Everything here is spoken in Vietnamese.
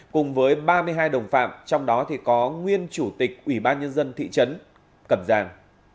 cùng với ba mươi hai đồng phạm trong đó có nguyên chủ tịch ủy ban nhân dân thị trấn cẩm giàng